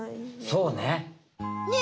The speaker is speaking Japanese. そうね。